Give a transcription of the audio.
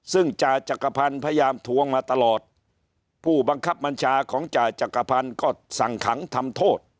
ซึ่งจ่าจักรพันธ์พยายามทวงมาตลอดผู้บังคับบัญชาของจ่าจักรพันธ์ก็สั่งขังทำโทษ